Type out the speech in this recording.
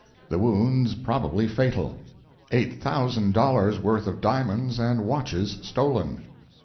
THE WOUNDS PROBABLY FATAL!—EIGHT THOUSAND DOLLARS' WORTH OF DIAMONDS AND WATCHES STOLEN!